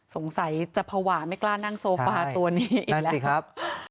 สงสัยจะภาวะไม่กล้านั่งโซฟาตัวนี้อีกแล้ว